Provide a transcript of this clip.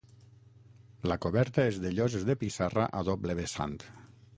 La coberta és de lloses de pissarra a doble vessant.